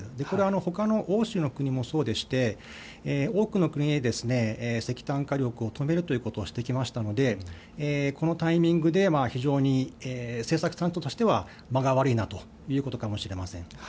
これはほかの欧州の国もそうでして多くの国で石炭火力を止めるということをしてきましたのでこのタイミングで非常に政策としては間が悪いなということかもしれません。